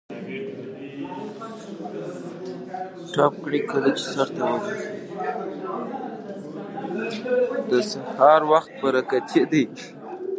د سهار وخت برکتي دی.